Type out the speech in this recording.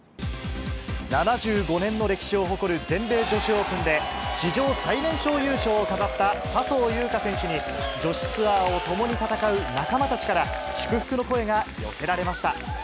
７５年の歴史を誇る全米女子オープンで、史上最年少優勝を飾った笹生優花選手に、女子ツアーを共に戦う仲間たちから、祝福の声が寄せられました。